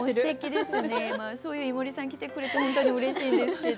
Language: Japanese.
井森さん来てくれて本当にうれしいですけど。